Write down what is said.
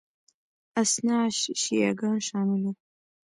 اثناعشري شیعه ګان شامل وو